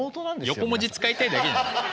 横文字使いたいだけじゃない？